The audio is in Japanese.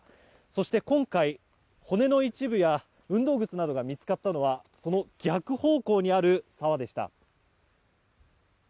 そして今回、骨の一部や運動靴などが見つかったのはその逆方向にある沢でした。